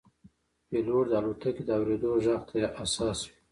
پیلوټ د الوتکې د اورېدو غږ ته حساس وي.